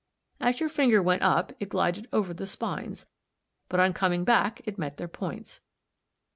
As your finger went up it glided over the spines, but on coming back it met their points.